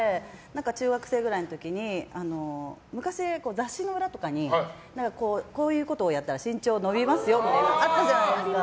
中学生くらいの時に昔、雑誌の裏とかにこういうことをやったら身長が伸びますよってのがあったじゃないですか。